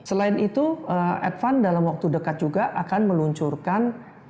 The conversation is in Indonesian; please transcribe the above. selain itu advance dalam waktu dekat juga akan meluncurkan